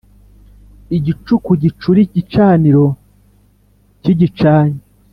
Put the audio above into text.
Igicuku cyicure igicaniro kigicanye